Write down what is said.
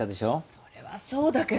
それはそうだけど。